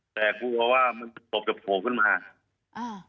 แต่กลัวว่ามันศพจะโผล่ขึ้นมาอ่า